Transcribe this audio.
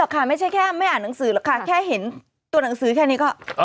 ค่ะไม่ใช่แค่ไม่อ่านหนังสือหรอกค่ะแค่เห็นตัวหนังสือแค่นี้ก็